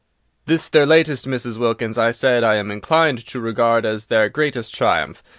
"This, their latest, Mrs. Wilkins," I said, "I am inclined to regard as their greatest triumph.